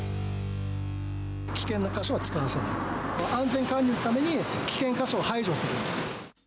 危険な箇所は使わせない、安全管理のために、危険箇所は排除する。